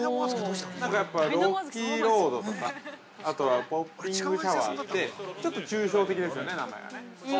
ロッキーロードとか、あとはポッピングシャワーって、ちょっと抽象的ですよね、名前がね。